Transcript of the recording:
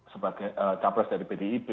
sebagai capres dari pdip